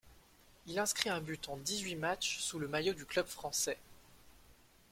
Il inscrit un but en dix-huit matchs sous le maillot du club français.